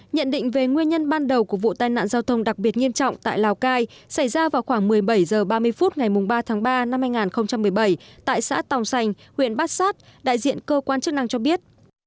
nhận định về nguyên nhân ban đầu của vụ tai nạn giao thông đặc biệt nghiêm trọng tại lào cai xảy ra vào khoảng một mươi bảy h ba mươi phút ngày ba tháng ba năm hai nghìn một mươi bảy tại xã tòng sành huyện bát sát đại diện cơ quan chức năng cho biết